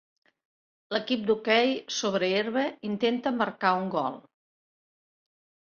L'equip d'hoquei sobre herba intenta marcar un gol.